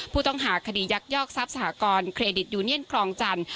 ผู้ต้องหาคดียักยอกทรัพย์สหกรณ์เครดิตยูเนียนคลองจันทร์